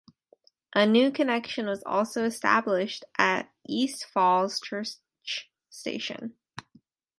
A new connection was also established at East Falls Church station.